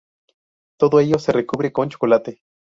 Todo ello se recubre con chocolate.